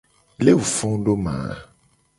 Leke wo fo do ma ?